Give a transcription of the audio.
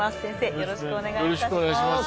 よろしくお願いします。